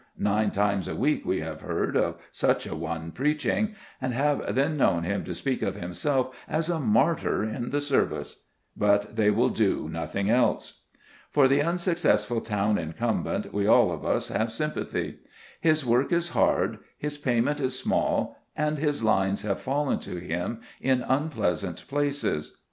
Nine times a week we have heard of such a one preaching, and have then known him to speak of himself as a martyr in the service! But they will do nothing else. For the unsuccessful town incumbent we all of us have sympathy. His work is hard, his payment is small, and his lines have fallen to him in unpleasant places.